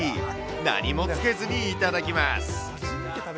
何もつけずに頂きます。